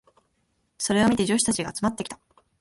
それを見て女子たちが集まってきた。